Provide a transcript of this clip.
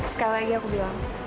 sekali lagi aku bilang